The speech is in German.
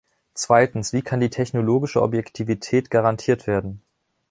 Zweitens, wie kann die technologische Objektivität garantiert werden?